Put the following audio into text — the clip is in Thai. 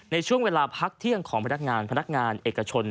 ในช่วงเวลาพักเที่ยงของพนักงานพนักงานเอกชน